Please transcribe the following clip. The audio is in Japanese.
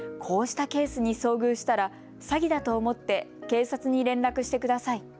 こうしたケースに遭遇したら詐欺だと思って警察に連絡してください。